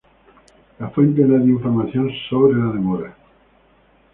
La fuente no dio información acerca de la demora.